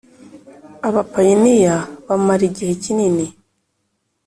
Abapayiniya bamara igihe kinini.